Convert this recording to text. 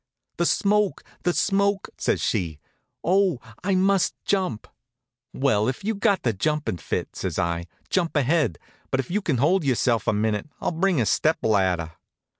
"The smoke, the smoke!" says she. "Oh, I must jump!" "Well, if you've got the jumpin' fit," says I, "jump ahead; but if you can hold yourself in a minute, I'll bring a step ladder."